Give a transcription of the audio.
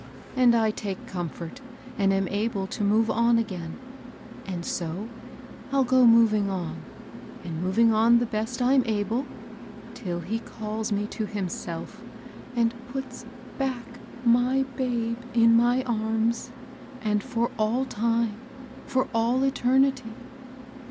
And I take comfort, and am able to move on again ; and so I'll go moving on, and moving on the best I'm able, till he calls me to himself, and put^ back my babe in my arms, ^and for all time, — for all eternity."